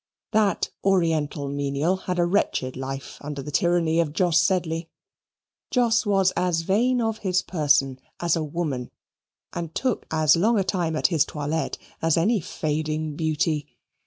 That oriental menial had a wretched life under the tyranny of Jos Sedley. Jos was as vain of his person as a woman, and took as long a time at his toilette as any fading beauty.